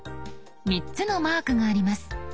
３つのマークがあります。